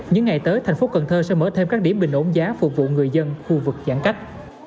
những ngày tới thành phố cần thơ sẽ mở thêm các điểm bình ổn giá phục vụ người dân khu vực giãn cách